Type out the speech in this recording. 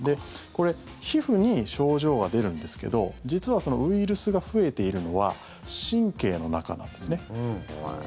これ、皮膚に症状が出るんですけど実はウイルスが増えているのは神経の中なんですね。